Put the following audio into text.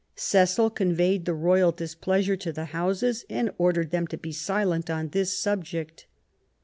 Cecil conveyed the royal displeasure to the Houses and ordered them to be silent on this subject.